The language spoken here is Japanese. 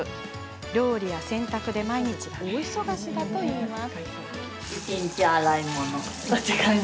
料理や洗濯で毎日が大忙しだといいます。